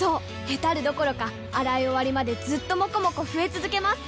ヘタるどころか洗い終わりまでずっともこもこ増え続けます！